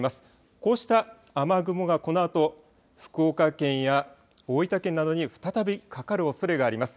こうした雨雲がこのあと福岡県や大分県などに再びかかるおそれがあります。